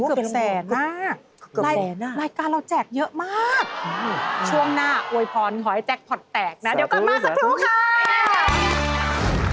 รายการเราแจกเยอะมากช่วงหน้าอวยพรขอให้แจ็คพอร์ตแตกนะเดี๋ยวกลับมาสักครู่ค่ะ